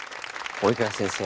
及川先生